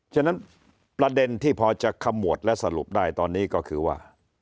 ฉะนั้นประเด็นที่พอจะขมวดและสรุปได้ตอนนี้ก็คือว่า